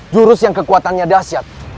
jurus yang kekuatannya dahsyat